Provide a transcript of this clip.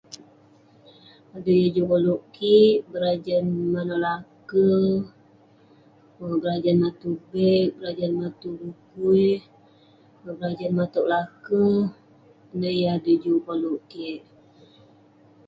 Adui yah juk koluk kik berajan manouk laker, koluk berajan, [unintelligible] berajan [unintelligible] bukui, berajan matog laker. Ineh yah adui juk koluk kik.